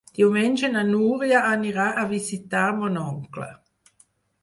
Diumenge na Núria anirà a visitar mon oncle.